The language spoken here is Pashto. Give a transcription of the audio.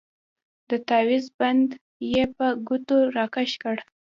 د تاويز بند يې په ګوتو راکښ کړ.